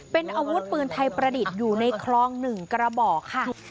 เป็นอาวุธปืนไทยประดิษฐ์อยู่ในคลอง๑กระบอกค่ะ